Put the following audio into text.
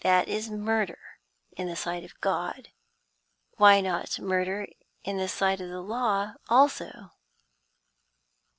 That is murder in the sight of God. Why not murder in the sight of the law also?